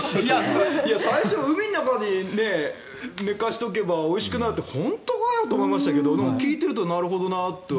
最初海の中に寝かせておけばおいしくなるって本当かよと思いましたけど聞いていると、なるほどなと。